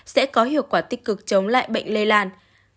sẽ có hiệu quả tích cực chống lại bệnh lây lan